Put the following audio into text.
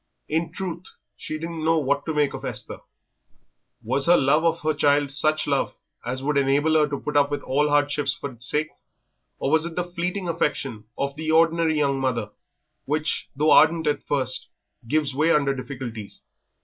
In truth, she didn't know what to make of Esther. Was her love of her child such love as would enable her to put up with all hardships for its sake, or was it the fleeting affection of the ordinary young mother, which, though ardent at first, gives way under difficulties?